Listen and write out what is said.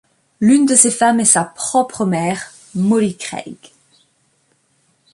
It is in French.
L'une de ces femmes est sa propre mère, Molly Craig.